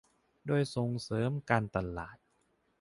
โดยส่งเสริมการตลาด